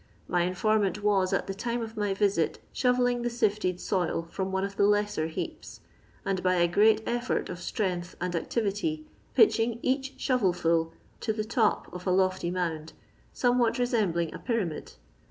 Hy informant was, at the time of my visit, shovelling the sifted soil from one of the lesser heaps, and, by a great effort of strength and activity, pitching each shovel full to the top of a lofty mound, somewhat resembling a pyramid.